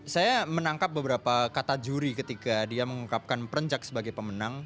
saya menangkap beberapa kata juri ketika dia mengungkapkan perenjak sebagai pemenang